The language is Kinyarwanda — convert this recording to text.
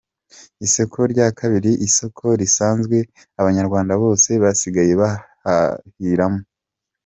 Isoko rya kabiri ni isoko risanzwe abanyarwanda bose basigaye bahahiramo.